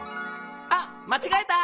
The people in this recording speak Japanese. あっまちがえた！